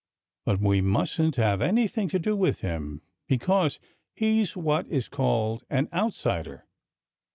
But we mustn't have anything to do with him, because he's what is called an 'outsider'."